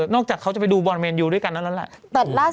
นอกจากเขาจะไปดูบอลเมนวีด้วยกันนั่นล่ะล่ะ